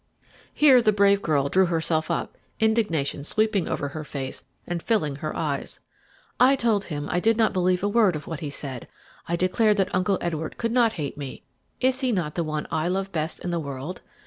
Here the brave girl drew herself up, indignation sweeping over her face and filling her eyes. "I told him I did not believe a word of what he said; I declared that Uncle Edward could not hate me is he not the one I love best in the world?